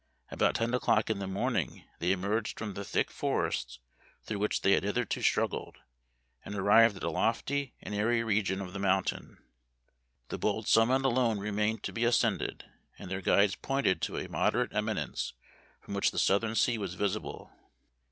About ten o'clock in the morning they emerged from the thick forests through which they had hitherto strug gled, and arrived at a lofty and airy region of the mountain. The bold summit alone remained to be ascended, and their guides pointed to a moderate eminence from which the southern sea was visible.